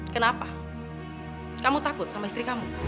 kenapa kamu takut sama istri kamu